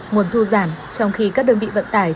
nguồn thu giảm trong khi các đơn vị vận tải